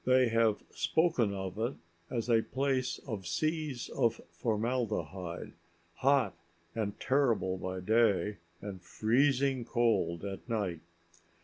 They have spoken of it as a place of seas of formaldehyde, hot and terrible by day, and freezing cold at night.